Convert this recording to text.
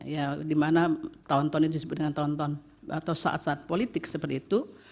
ya dimana tahun tahun itu disebut dengan tahun tahun atau saat saat politik seperti itu